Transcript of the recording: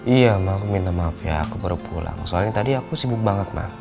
iya mbak aku minta maaf ya aku baru pulang soalnya tadi aku sibuk banget ma